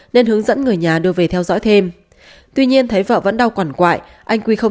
nên hướng dẫn người nhà đưa về theo dõi thêm tuy nhiên thấy vợ vẫn đau còn quại anh quy không